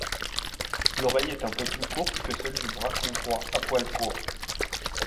L’oreille est un peu plus courte que celle du braque hongrois à poil court.